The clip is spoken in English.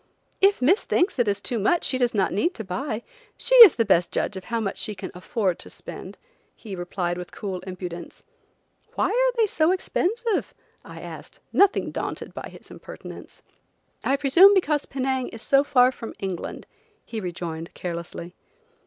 "If Miss thinks it is too much she does not need to buy. She is the best judge of how much she can afford to spend," he replied with cool impudence. "Why are they so expensive?" I asked, nothing daunted by his impertinence. "I presume because Penang is so far from England," he rejoined, carelessly.